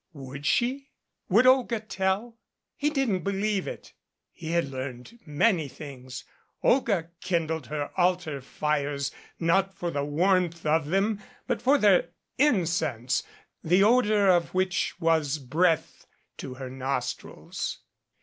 Would she? Would Olga tell? He didn't believe it. He had learned many things. Olga kindled her altar fires not for the warmth of them, but for their incense, the odor of which was breath to her nostrils.